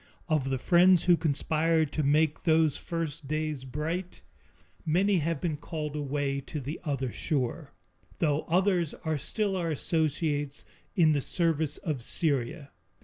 Of the friends who conspired to make those first days bright, many have been called away to the other shore, though others are still our associates in the service of Syria.